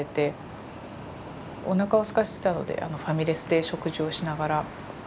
おなかをすかせてたのでファミレスで食事をしながら。